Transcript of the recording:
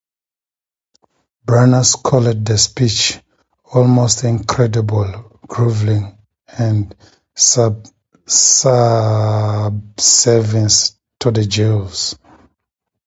Barnes called the speech "almost incredible grovelling" and "subserviency" to the Jews.